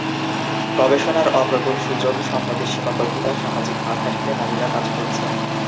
গবেষণার অপ্রতুল সুযোগ, সম্পদের সীমাবদ্ধতা, সামাজিক বাধা ঠেলে নারীরা কাজ করছেন।